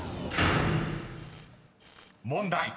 ［問題。